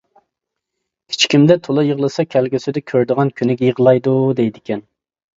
كىچىكىمدە تولا يىغلىسا كەلگۈسىدە كۆرىدىغان كۈنىگە يىغلايدۇ دەيدىكەن.